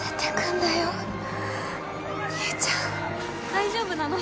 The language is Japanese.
大丈夫なの？